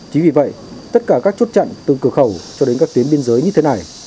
chính vì vậy tất cả các chốt chặn từ cửa khẩu cho đến các tuyến biên giới như thế này